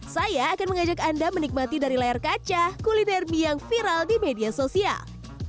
saya akan mengajak anda menikmati dari layar kaca kuliner mie yang viral di media sosial